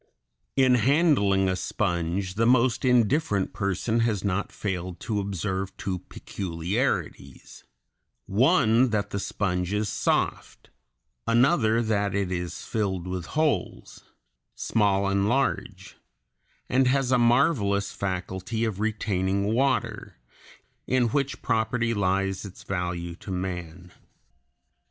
] In handling a sponge the most indifferent person has not failed to observe two peculiarities, one that the sponge is soft, another that it is filled with holes, small and large, and has a marvelous faculty of retaining water, in which property lies its value to man.